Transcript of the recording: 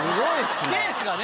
ペースがね。